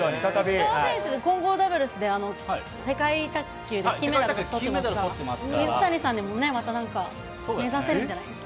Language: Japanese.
石川選手、混合ダブルスで世界卓球で金メダルとってますから、水谷さんでもまたなんか、目指せるんじゃないですか。